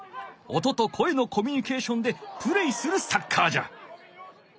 音と声のコミュニケーションでプレーするサッカーじゃ。